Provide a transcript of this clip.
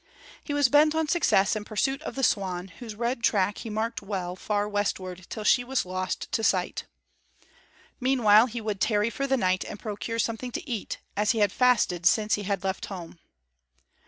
He was bent on success in pursuit of the swan, whose red track he marked well far westward till she was lost to sight. Meanwhile he would tarry for the night and procure something to eat, as he had fasted since he had left home.